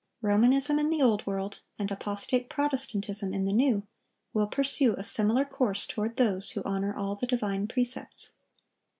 Romanism in the Old World, and apostate Protestantism in the New, will pursue a similar course toward those who honor all the divine precepts.